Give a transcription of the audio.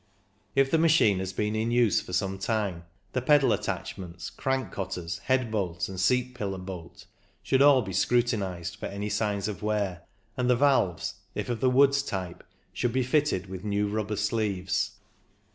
If the machine has been in use for some time, the pedal attachments, crank cotters, head bolt and seat pillar bolt should all be PURELY MECHANICAL 237 scrutinised for any signs of wear, and the valves, if of the Woods type, should be fitted with new rubber sleeves.